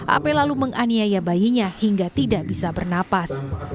ap lalu menganiaya bayinya hingga tidak bisa bernapas